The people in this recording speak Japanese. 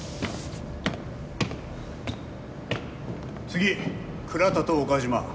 次倉田と岡島。